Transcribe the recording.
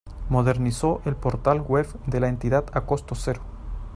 Modernizó el portal web de la Entidad a costo cero.